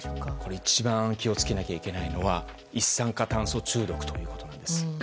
一番気をつけなきゃいけないのは一酸化炭素中毒です。